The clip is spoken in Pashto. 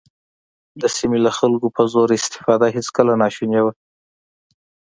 د سیمې له خلکو په زور استفاده هېڅکله ناشونې وه.